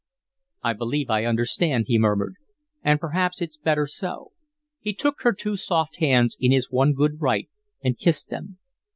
"I believe I understand," he murmured; "and perhaps it's better so." He took her two soft hands in his one good right and kissed them.